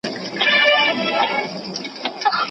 کار نه کول د شاګرد لپاره د مرګ په مانا و.